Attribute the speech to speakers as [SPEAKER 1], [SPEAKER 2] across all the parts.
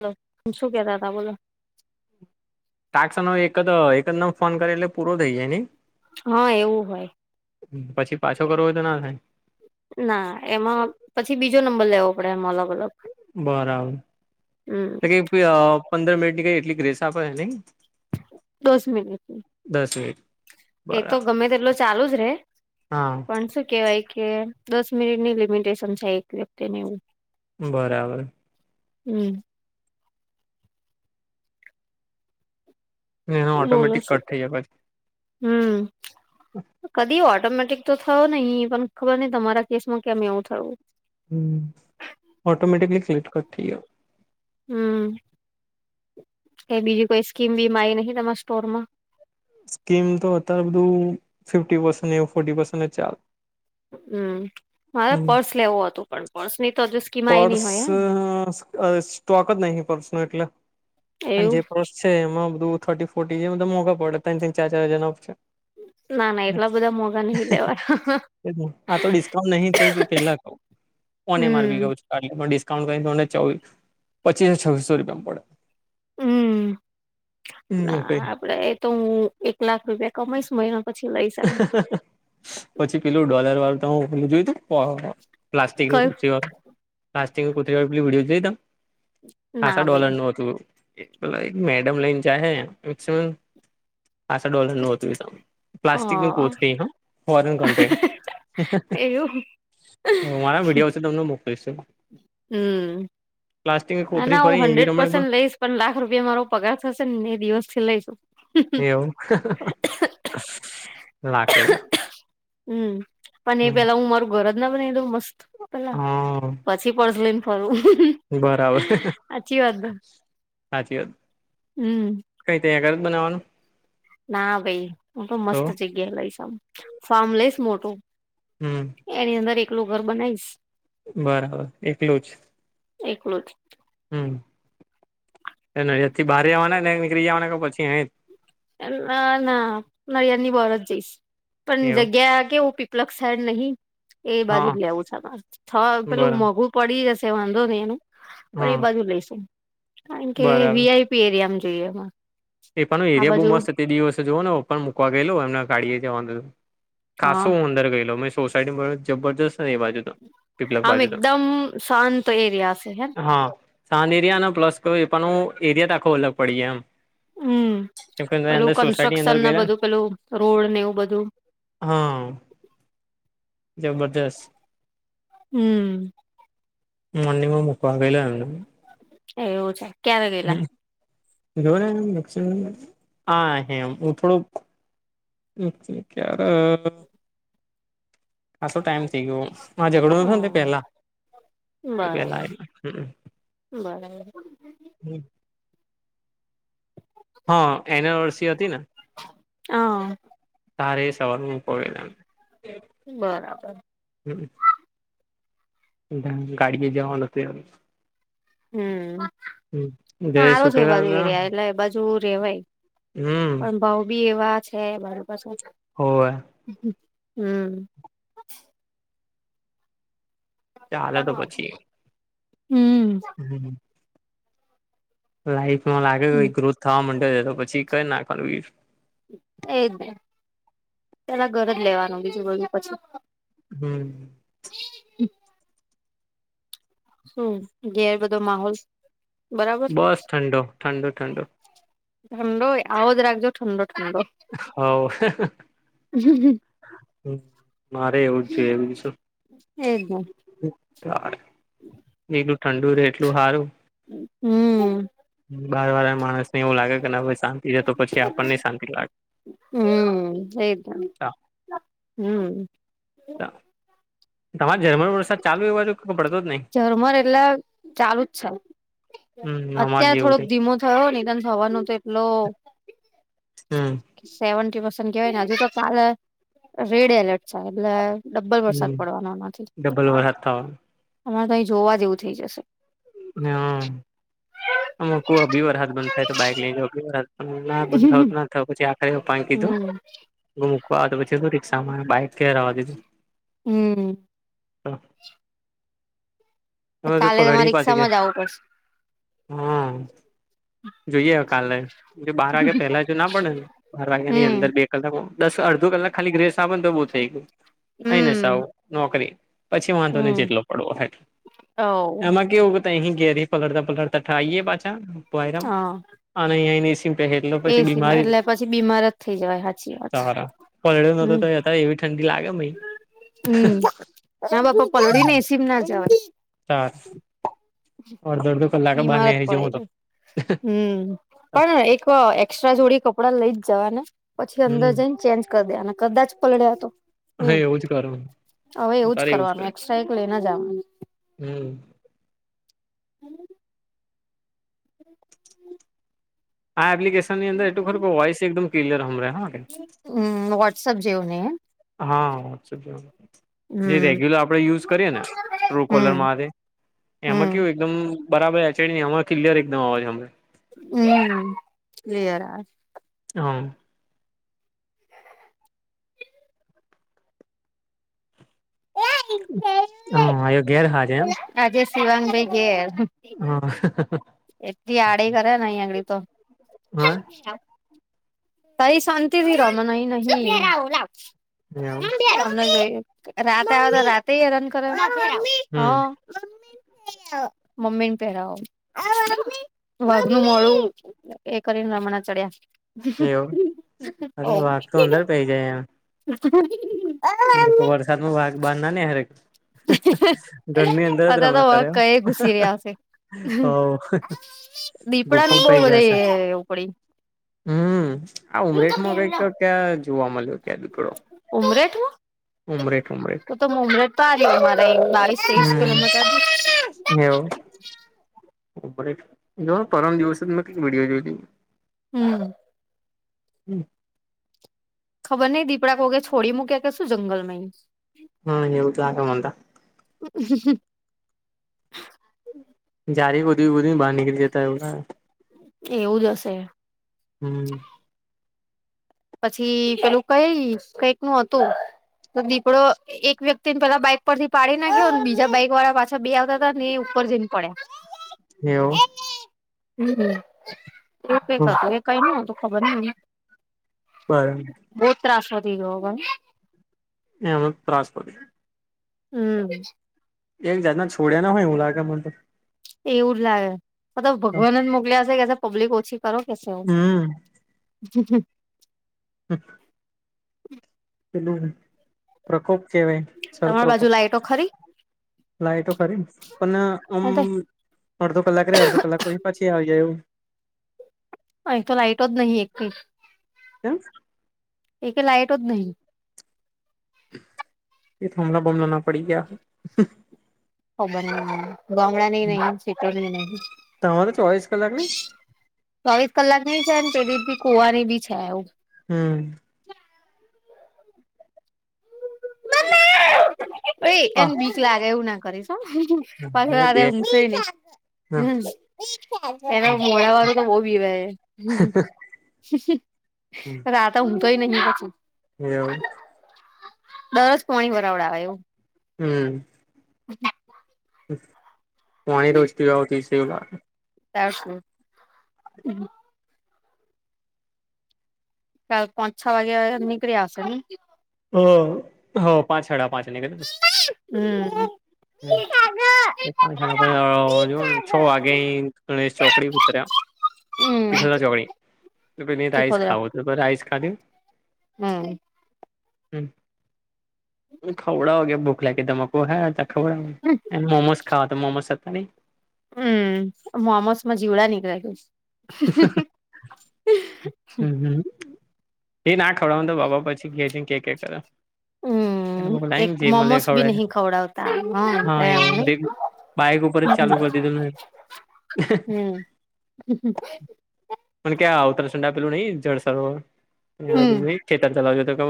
[SPEAKER 1] Hello શું કેતા હતા બોલો
[SPEAKER 2] ટાસનો એક એકદમ ફોન કરે એટલે પૂરો થઇ જાય ને
[SPEAKER 1] હા એવું હોય
[SPEAKER 2] પછી પાછો કરવો હોય તો ના થાય
[SPEAKER 1] ના એમાં પછી બીજો નંબર લેવો પડે એમ અલગ અલગ
[SPEAKER 2] બરાબર
[SPEAKER 1] હમ
[SPEAKER 2] તો કઈ પંદર મિનિટ ની કઈ એટલી ગ્રેસ આપે નહી
[SPEAKER 1] દસ મિનિટની
[SPEAKER 2] દસ મનિટ
[SPEAKER 1] એ તો ગમે તેટલો ચાલુ જ રે
[SPEAKER 2] હા
[SPEAKER 1] પણ શું કેવાય કે દસ મિનિટની લિમિટેશન થાય એક વખતેને એવું
[SPEAKER 2] બરાબર
[SPEAKER 1] હમ
[SPEAKER 2] હ હા
[SPEAKER 1] બોલો
[SPEAKER 2] ઓટોમેટિક
[SPEAKER 1] શું
[SPEAKER 2] કટ થઈ જાય પછી
[SPEAKER 1] હમ કદી ઓટોમેટિક તો થયો નહી પણ ખબર નહ તમારા કેસમાં કેમ એવું થયવું
[SPEAKER 2] હ ઓટોમેટિકલી ક્લક્ટ કરઠી
[SPEAKER 1] હમ એ બીજી કોઈ સ્કીમ બી મા આવી નહી તમારા સ્ટોર માં
[SPEAKER 2] સ્કીમ તો અત્યારે બધું ફિફી પ ફોર્ પ ચાલ
[SPEAKER 1] હમ મારે પર્સ લેવું હતું પણ પર્સ ની તો હજ સ્કીમાય નની
[SPEAKER 2] પર્સ
[SPEAKER 1] હોય હે
[SPEAKER 2] અ સ્ટોક જ ન પર્સ ન એટલે અને
[SPEAKER 1] એવું
[SPEAKER 2] જે પર્સ એમાં બધું થર્ટી ફોર્ટીધા મોકો પડે ત ચાર ચાર હજાર ના છે
[SPEAKER 1] હમ [unintelligible] ના ના એટલા બધા મોઘા નહિ લેવા
[SPEAKER 2] એજ ને. આ તો કોને મારવી
[SPEAKER 1] હમ
[SPEAKER 2] ગયો છે કારલે ડિસ્કાઉન્ટ કરીને પચીસો છવવીસો રૂપિયામાં પડે
[SPEAKER 1] હમ ના
[SPEAKER 2] પડે
[SPEAKER 1] આપડે તો હું એક લાખ રૂપિયા કમઈશ મહિના પછી લઈ જમ
[SPEAKER 2] હમ પછી પેલું ડોલર વાળું તો હું પેું જોયું તું પ્લાસ્ટિક
[SPEAKER 1] કયું
[SPEAKER 2] પચી વાળું પ્લાસ્ટિક કુત વિડીયો લઈ તમ ખાસ
[SPEAKER 1] ના
[SPEAKER 2] ડોલર
[SPEAKER 1] ભાઈ
[SPEAKER 2] નું હતું એક મેડમ લાઈન ચા મેક્સમમ આા ડોલર નું હતું
[SPEAKER 1] અ
[SPEAKER 2] પ્લાસ્ટિક ની કોથરી હા ફોરન કંન્ટ્રી
[SPEAKER 1] એવું
[SPEAKER 2] મારા વિડીયો છે તમને મોકલીશું
[SPEAKER 1] હમ ના
[SPEAKER 2] કોથરી
[SPEAKER 1] ના હું
[SPEAKER 2] ફરી એવી
[SPEAKER 1] હંડ્રેડ
[SPEAKER 2] રમણી
[SPEAKER 1] પર્સેન્ટ લઈશ પણ લાખ રૂપિયા મારો પગાર થશે ને એ દિવસ થી લઈશું
[SPEAKER 2] એવમ લાકડીેલા [unintelligible]
[SPEAKER 1] હમ પણ એ પેલા હું મારું ઘર જ ના બને એ તો મસ્ત
[SPEAKER 2] હા
[SPEAKER 1] સી પડ ફરું [unintelligible]
[SPEAKER 2] બરાબર
[SPEAKER 1] સાચી વાત ને
[SPEAKER 2] સાચી વાત
[SPEAKER 1] હમ
[SPEAKER 2] કઈ ત અં કરે જ બનાવાનું
[SPEAKER 1] ના ભઈ હું તો મસ્ત જગ્યાએ લઈશ આમ. ફાર્મ લઈશ મોટું.
[SPEAKER 2] હમ
[SPEAKER 1] એની અંદર એકલું ઘર બનાઈશ.
[SPEAKER 2] બરાબર. એકલું જ?
[SPEAKER 1] એકલું જ.
[SPEAKER 2] હમ. એને અહિયાંથી બહાર આવાના ને નીકળી જવાના કે પછી અહીં જ
[SPEAKER 1] ના ના નળિયાદની બર જ જઈશ.
[SPEAKER 2] જ
[SPEAKER 1] પણ
[SPEAKER 2] એવું
[SPEAKER 1] જગ્યા કેવું ફી પલક શહેર નહીં એ બાજુ
[SPEAKER 2] હા
[SPEAKER 1] જ લેવું છે માર. થ પેલું
[SPEAKER 2] બરાબર
[SPEAKER 1] મોઘું પડી જશે વાંધો નહી એનું. પણ
[SPEAKER 2] હા
[SPEAKER 1] એ બાજુ લઈશું. કારણ કે
[SPEAKER 2] બરાબર
[SPEAKER 1] વીઆઈ પી એરિયામાં જોઈએ માર.
[SPEAKER 2] એ પણ એરિયા બહુ મસ્ત તે દિવસે જોવો ને માર પપ્પાને મૂકવા ગયેલો એમને ગાડીએ જવાનું તો.
[SPEAKER 1] હા
[SPEAKER 2] ખાસો હું અંદર ગયેલો મેં સોસાયટી જબરજસ્ત હે એ બાજુ તો. પીપલક
[SPEAKER 1] આમ
[SPEAKER 2] બાજુ તો
[SPEAKER 1] એકદમ શાંત એરિયા છે હેન?
[SPEAKER 2] શાંત એરિયા અને પ્લસ કઈ એ પણ હું એરિયા જ આખો અલગ પડી જાય એમ.
[SPEAKER 1] હમ
[SPEAKER 2] કેમ કે
[SPEAKER 1] પેલું
[SPEAKER 2] અંદર સોસાયટી અંદર
[SPEAKER 1] કન્સ્ટ્રક્શનને
[SPEAKER 2] ગયેલા ને
[SPEAKER 1] બધું પેલું, રોડ ને એવું બધું.
[SPEAKER 2] હા જબરજસ્ત.
[SPEAKER 1] હમ
[SPEAKER 2] મોર્નિંગમાં મૂકવા ગયેલો એમને.
[SPEAKER 1] એવું છે. ક્યારે ગયેલા
[SPEAKER 2] હમ જો ને [inaudible] આહે એમ ઉ થોડુંક [inaudible] ક્યાર અ ખાસો ટાઈમ થઇ ગયો. માર ઝઘડો થયો ને તે
[SPEAKER 1] હમ
[SPEAKER 2] પેલા પેલા
[SPEAKER 1] બરાબર
[SPEAKER 2] [inaudible] હમ અ
[SPEAKER 1] બરાબર.
[SPEAKER 2] હમ હા એનવર્સી હતી ને.
[SPEAKER 1] હા
[SPEAKER 2] તારે સવારમાં મૂકવા ગયેલો એમ.
[SPEAKER 1] બરાબર.
[SPEAKER 2] હમ અમ ગાડીએ જવાનું હતું એમ.
[SPEAKER 1] હમ
[SPEAKER 2] એમ જય
[SPEAKER 1] હારો છે એ બાજુ
[SPEAKER 2] સુટેલા
[SPEAKER 1] એરિયા એટલે એ બાજુ રેવાય.
[SPEAKER 2] હમ
[SPEAKER 1] એમ ભાવ બી એવા છ છે વરી પાસું
[SPEAKER 2] હોવે.
[SPEAKER 1] હમ
[SPEAKER 2] ચાલે તો પછી.
[SPEAKER 1] હમ
[SPEAKER 2] હમ લાઈફમાં લાગે છે ગ્રોથ થવા માંડ્યો છે તો પછી કર નાખવાનું ઈ.
[SPEAKER 1] એજ ને. પેલા ઘર જ લેવાનું બીજું બધું પછી.
[SPEAKER 2] હમ
[SPEAKER 1] [inaudible] શું ઘેર બધો માહોલ બરાબર?
[SPEAKER 2] બસ ઠંડો ઠંડો ઠંડો
[SPEAKER 1] ઠંડો એ આવો જ રાખજો ઠંડો ઠંડો.
[SPEAKER 2] હોવ. હમ મારે એવું જ બીજું શું.
[SPEAKER 1] એજ ને
[SPEAKER 2] બીજું ઠંડુ રે એટલું હારું.
[SPEAKER 1] અ હમ
[SPEAKER 2] હમ બારવાળા માણસને એવું લાગે કે ના ભાઈ શાંતિ છે તો પછી આપણને શાંતિ લાગે.
[SPEAKER 1] હમ એજ ન. હમ
[SPEAKER 2] તમારે ઝરમર વરસાદ ચાલુ એબાજુ પડતો જ નહીં
[SPEAKER 1] ઝરમર એટલે ચાલુ જ છે
[SPEAKER 2] હમ અમારે
[SPEAKER 1] અત્યારે
[SPEAKER 2] જેવું થ
[SPEAKER 1] થોડોક ધીમો. થયો નિતો સવારનું તો એટલો.
[SPEAKER 2] હમ.
[SPEAKER 1] સેવી પસ કેવાય ને હજુ તો કાલે રેડ એલર્ટ છે એટલે. ડબ્બલ વરસાદ
[SPEAKER 2] હમ
[SPEAKER 1] પડવાનો નથી
[SPEAKER 2] ડબલ વરસાદ
[SPEAKER 1] અમારે અહી જોવા જેવું થઈ જશે.
[SPEAKER 2] હ અ ક અબી વાર હાથ બંધ થાય તો બાઈક લઈ જા અી વાર હાથ. ના બંધ થ ના થયો પછી આખરે પા કીધું
[SPEAKER 1] હમ
[SPEAKER 2] મૂકવા તો પછી રિક્ષા માં બાઈક. કે રેવા દીધી
[SPEAKER 1] હમ.
[SPEAKER 2] હ તો
[SPEAKER 1] કાલે તમારે
[SPEAKER 2] પલડી પાજ ગ.
[SPEAKER 1] રિક્ષામાં જ આવવું પડશે
[SPEAKER 2] હા જોઈએ કાલે બાર વાગે પહેલા જ. ના પડેને બાર વાગ્યા ની અંદર
[SPEAKER 1] હમ
[SPEAKER 2] બે કલાક દસ અડધો કલાક ખાલી ગ્રેસ ના તો બહુ થઈ ગયું. અહીને
[SPEAKER 1] હમ
[SPEAKER 2] સાવું નોકરી પછી વાંધો ને
[SPEAKER 1] હમ
[SPEAKER 2] જેટલો પડવો હોય એટલો
[SPEAKER 1] ઓ
[SPEAKER 2] એમાં કેવું અહી ઘે ર પલળતા પલળતા ઠાઈએ પાછા ભોયરા.
[SPEAKER 1] હા
[SPEAKER 2] અને અહી આઇ એસી એટલો પછી
[SPEAKER 1] એસીમાં
[SPEAKER 2] બીમારી
[SPEAKER 1] એટલે પછી બીમાર જ થઈ જવાય સાચી વાત
[SPEAKER 2] સારા પલ્યો નતો
[SPEAKER 1] હમ
[SPEAKER 2] તો. હવે એવી ઠંડી લાગે
[SPEAKER 1] હમ હ બાપા પલળીને એસીમ ના જવાનું.
[SPEAKER 2] તાર અડધો અડધો કલાક
[SPEAKER 1] બીમાર
[SPEAKER 2] બાને આવી જ હું તો.
[SPEAKER 1] પડે હમ. પણ એક એક્સ્ટ્રા જોડી કપડાં લઈ જ જવા ને. પછી અંદર
[SPEAKER 2] હમ
[SPEAKER 1] જઈને ચેન્જ કરી દે અને કદાચ પલડ્યા તો.
[SPEAKER 2] હ
[SPEAKER 1] એવું
[SPEAKER 2] જ કરું
[SPEAKER 1] હવે એવું જ કરવાનું એક્સ્ટ્રા એક લેઈને જવાનું.
[SPEAKER 2] હમ.
[SPEAKER 1] હમ.
[SPEAKER 2] આ એપ્લિકેશનની અદર એટલુ ખરુ વોઈસ એકદમ ક્લિયર હભરાય
[SPEAKER 1] હમ વોટ્સઅપ જેવુ નહીં એમ
[SPEAKER 2] હા. જે
[SPEAKER 1] હમ
[SPEAKER 2] રેગ્યુલર આપણે યુઝ
[SPEAKER 1] હમ
[SPEAKER 2] કરીએ ને ટ્રુ કોલર
[SPEAKER 1] હમ
[SPEAKER 2] માં એમાં
[SPEAKER 1] હમ
[SPEAKER 2] કેવું એકદમ. બરાબર એચડી એમા ક્લિયર એકદમ અવાજ હભળાય
[SPEAKER 1] હમ કલીયર આવે
[SPEAKER 2] હમ હા એયો ઘેર હાજ એમ.
[SPEAKER 1] આજે શીવાંગ ભ ઈ ઘેર
[SPEAKER 2] હા.
[SPEAKER 1] એલી આડ કરે નહી અગડી તો.
[SPEAKER 2] હા.
[SPEAKER 1] હા. તઈ શાંતિથી રમન ન
[SPEAKER 2] એવ
[SPEAKER 1] રમાય. રાત આવે તો રાતે હેરાન કર હ.
[SPEAKER 2] હમ
[SPEAKER 1] મમ્મી ને પહેરાવ [unintelligible] એ કરીને રમણા ચડ્યા.
[SPEAKER 2] એવું અ વાતો અંદર પે જાય એમ
[SPEAKER 1] હ.
[SPEAKER 2] હ તો વરસાદ ન વાઘ બાર ના ને હરે. ઘરની અંદર જ
[SPEAKER 1] અત્યારે તો
[SPEAKER 2] રમ્યા કરે.
[SPEAKER 1] વક કઈ ઘુસી રહ્યા હશે.
[SPEAKER 2] હોવ
[SPEAKER 1] દીપડા ની
[SPEAKER 2] ગુફામાં
[SPEAKER 1] બહુ
[SPEAKER 2] પઈ
[SPEAKER 1] રે
[SPEAKER 2] ગયા છે
[SPEAKER 1] ઉપડી.
[SPEAKER 2] હમ આ ઉમરેઠમાં કઈક ક્યાં જોવા મળ્યો ક્યાં દુકડો.
[SPEAKER 1] [unintelligible]
[SPEAKER 2] ઉમરેઠ
[SPEAKER 1] [inaudible]
[SPEAKER 2] હમ
[SPEAKER 1] કિલોમીટર
[SPEAKER 2] એવું [unintelligible] વિડીયો જોઈલી
[SPEAKER 1] હમ
[SPEAKER 2] હમ
[SPEAKER 1] ખબર નઈ દીપડા કોકે છોડી મૂક્યા કે શું જંગલમાં એ
[SPEAKER 2] હમ એવું [unintelligible]
[SPEAKER 1] હ હ
[SPEAKER 2] [unintelligible]
[SPEAKER 1] એવું જ હશે
[SPEAKER 2] હમ
[SPEAKER 1] પછી પેલું કઈ કઈક નું હતું તો દીપડો એક વ્યક્તિ ને પેલા બાઈક પરથી પાડી નાખ્યો અને બીજા બાઈક વાળા પાછા બે આવતા હતા ને એ ઉપર જઈને પડ્યા [inaudible]
[SPEAKER 2] એવું
[SPEAKER 1] હમ
[SPEAKER 2] હ,
[SPEAKER 1] [inaudible]
[SPEAKER 2] [unintelligible]
[SPEAKER 1] બો ત્રાસ વધી ગીયો હવે
[SPEAKER 2] એનો જ તાસ પડે
[SPEAKER 1] હમ
[SPEAKER 2] એક જાતના છોડ્યા ના હોય એવું લાગે મનેતો
[SPEAKER 1] એવું જ લાગે મતલબ
[SPEAKER 2] તો
[SPEAKER 1] ભગવાન જ મોકલ્યા હશે કે પબ્લિક ઓછી કરો કે છેું [inaudible]
[SPEAKER 2] હમ હમ પેલું પ્રકોપ કેવાય છ
[SPEAKER 1] તમારી બાજુ
[SPEAKER 2] પ્રકોપ
[SPEAKER 1] લાઈટો ખરી
[SPEAKER 2] લાઈટો ખરીને પન અમ
[SPEAKER 1] અહીં
[SPEAKER 2] અડધો કલાક રેય અડધો કલાક પહી પાછી આવી જાય એવું
[SPEAKER 1] [unintelligible]
[SPEAKER 2] કેમ
[SPEAKER 1] [unintelligible]
[SPEAKER 2] [unintelligible] ના પડી ગયા હોય તમારે ચોવીસ કલાક ની
[SPEAKER 1] [inaudible] ચોવીસ કલાક [inaudible]
[SPEAKER 2] હમ હા હ બે
[SPEAKER 1] [inaudible]
[SPEAKER 2] હા
[SPEAKER 1] હમ એના મોડા વાળું તો બો બીવાય હ [unintelligible]
[SPEAKER 2] એવું
[SPEAKER 1] [unintelligible] એવું
[SPEAKER 2] હમ
[SPEAKER 1] [inaudible]
[SPEAKER 2] [unintelligible]
[SPEAKER 1] [inaudible] ચાર પાંચ છ વાગે નીકળ આવસે નઈ
[SPEAKER 2] હ હ પાંચ હાડા પાંચ [unintelligible]
[SPEAKER 1] હમ
[SPEAKER 2] હમ [unintelligible] વાગે ગણેશ ચોકડી ઉતર્યા
[SPEAKER 1] હમ
[SPEAKER 2] ખ ચોકડી પેલી રાઈસ ખાવું તો રાઈસ ખાધ
[SPEAKER 1] હા
[SPEAKER 2] હ ખવડાવો કે ભૂખ લ કે તમાકુ હ ખવડાવ
[SPEAKER 1] હા
[SPEAKER 2] મોમોસ ખાવા તો મોમોસ હતા ન
[SPEAKER 1] હમ મોમોસ માં જીવડા નીકળ્યું.
[SPEAKER 2] હચ હમ એ ના ખવડાવ તો બાપા પછી ક છે કે ક કરે લ
[SPEAKER 1] હમ એક
[SPEAKER 2] જ મ
[SPEAKER 1] મોમોસ બી
[SPEAKER 2] ખવડે
[SPEAKER 1] નહી ખવડાવતા
[SPEAKER 2] હા એવું
[SPEAKER 1] એમ
[SPEAKER 2] બાઈક ઉપર જ ચાલુ કરીતી તું ન
[SPEAKER 1] હમ
[SPEAKER 2] પણ ક્યાં અવતરસંડ આપ પેલું નહી જળસરોેલું
[SPEAKER 1] હમ હમ
[SPEAKER 2] નહી. છેતર ચલાવજો તો કે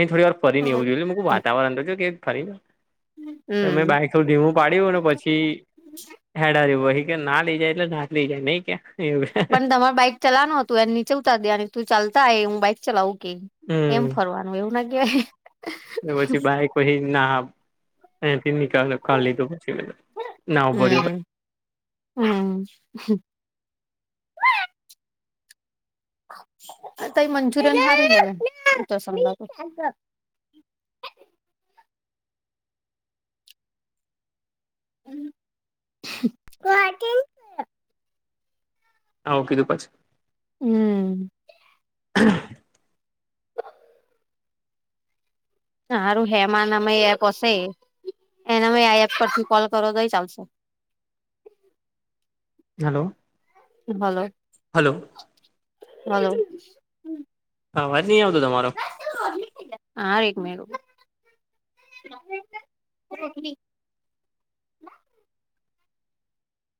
[SPEAKER 2] એ થોડી વાર ફરી ને એવું જોઈુંકું વાતાવરણ તોજ કે ફરી તમે બાઈક થું ધીમું પાડ્યું ને પછી હેડાર્યું કે ના લઈ જાય એટલે નાથ લઈ જાય નહી કે એવું
[SPEAKER 1] પણ તમારે બાઈક ચલાવનો હતું એને નીચવતા દે અને તું ચાલતા એ હું બાઈક ચલાવું કે
[SPEAKER 2] હમ
[SPEAKER 1] એમ ફરવાનું એવું ના કહેવાય
[SPEAKER 2] પછી બાાયકહી ના એથી નીકળ લીધ પછી ના ભર્યું
[SPEAKER 1] હમ હમ તઈ મંચુરિયન મા તો સમજા ગુવાહાટી
[SPEAKER 2] હા કીધું પછી
[SPEAKER 1] હમ
[SPEAKER 2] હા
[SPEAKER 1] સારું હેમા નામાં એપ હશે એને આ એપ પરથી કોલ કરો દઈ ચાલસે
[SPEAKER 2] હલો
[SPEAKER 1] ભલો
[SPEAKER 2] હલો
[SPEAKER 1] હલો
[SPEAKER 2] હા વાજ નહી આવતો તમારો
[SPEAKER 1] હારે મે